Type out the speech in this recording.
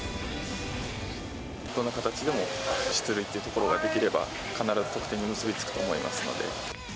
どんな形でも出塁っていうところができれば、必ず得点に結び付くと思いますので。